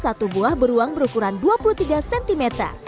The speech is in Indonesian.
satu buah beruang berukuran dua puluh tiga cm